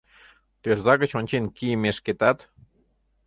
Тӧрза гыч ончен кийымешкетат